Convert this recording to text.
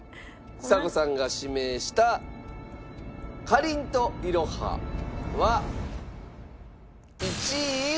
ちさ子さんが指名したかりんといろはは１位。